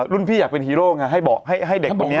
รุ่นพี่อยากเป็นฮีโร่ไงให้เด็กตัวเนี้ย